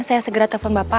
saya segera telepon bapak